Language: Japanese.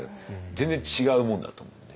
全然違うもんだと思うんで。